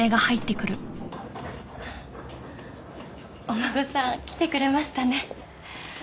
・お孫さん来てくれましたね。